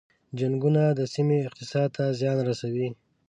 جنګونه د سیمې اقتصاد ته زیان رسوي.